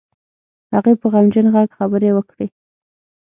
هغې په غمجن غږ خبرې وکړې.